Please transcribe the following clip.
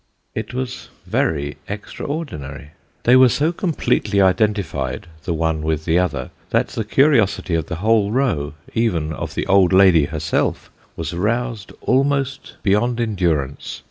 It was very extraordinary. They were so completely identified, the one with the other, that the curiosity of the whole row even of the old lady herself was roused almost beyond endurance.